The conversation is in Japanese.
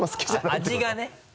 味がね。